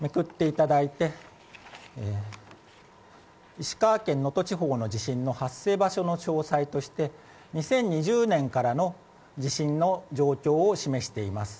石川県能登地方の地震の発生場所の詳細として２０２０年からの地震の状況を示しています。